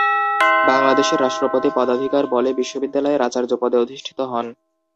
বাংলাদেশের রাষ্ট্রপতি পদাধিকার বলে বিশ্ববিদ্যালয়ের আচার্য পদে অধিষ্ঠিত হন।